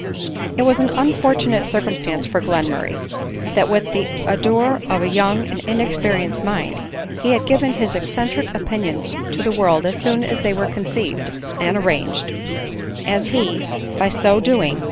It was an unfortunate circumstance for Glenmurray r that with the ardor of a young and inexperienced mind, he had given his eccentric opinions to the world as soon as they were conceived and arranged ; as he, by so do ing